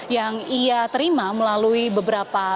yang ia terima melalui beberapa